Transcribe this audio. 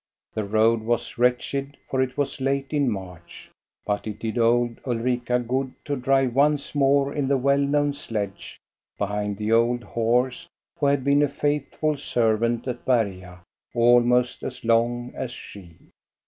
The road was wretched, for it was late in March; but it did old Ulrika good to drive once more in the well known sledge, behind the old horse who had been a faithful servant at Berga almost as long as she.